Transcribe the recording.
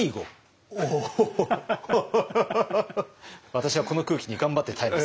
私はこの空気に頑張って耐えます。